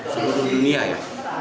sebelum dunia ya